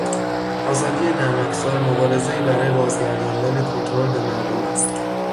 آزادی نرمافزار مبارزهای برای بازگرداندن کنترل به مردم است